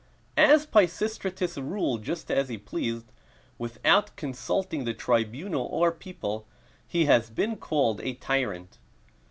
As Pisistratus ruled just as he pleased, without consulting the Tribunal or people, he has been called a tyrant.